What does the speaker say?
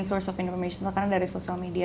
sasaran informasi utama sekarang dari social media